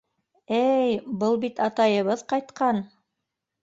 Ә-ә-й, был бит атайыбыҙ ҡайтҡан!